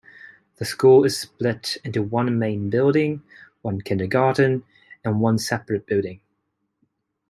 The school is split into one main building, one kindergarten, and one separate building.